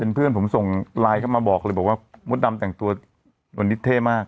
เพื่อนผมส่งไลน์เข้ามาบอกเลยบอกว่ามดดำแต่งตัววันนี้เท่มาก